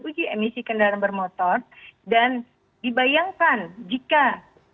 uji emisi kendaraan bermotor dan dibayangkan jika seluruh kendaraan bermotor